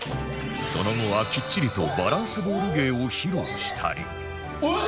その後はきっちりとバランスボール芸を披露したり